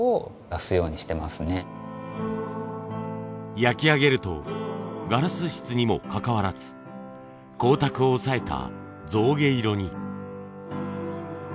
焼き上げるとガラス質にもかかわらず光沢を抑えた象牙色に。